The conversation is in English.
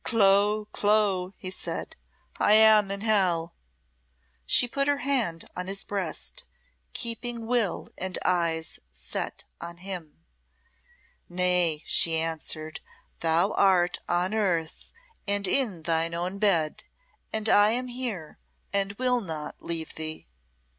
"Clo Clo," he said, "I am in hell." She put her hand on his breast, keeping will and eyes set on him. "Nay," she answered; "thou art on earth, and in thine own bed, and I am here, and will not leave thee."